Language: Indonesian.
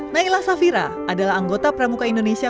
naila safira adalah anggota pramuka indonesia